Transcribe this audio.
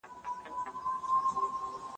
زه پرون د کتابتوننۍ سره مرسته وکړه.